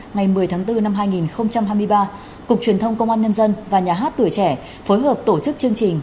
ngày một mươi tháng bốn năm hai nghìn hai mươi ba cục truyền thông công an nhân dân và nhà hát tuổi trẻ phối hợp tổ chức chương trình